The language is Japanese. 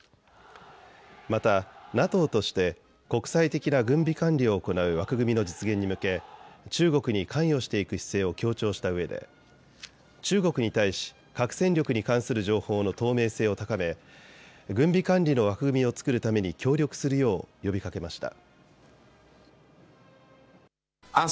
またＮＡＴＯとして国際的な軍備管理を行う枠組みの実現に向け中国に関与していく姿勢を強調したうえで中国に対し核戦力に関する情報の透明性を高め軍備管理の枠組みを作るために協力するよう呼びかけました。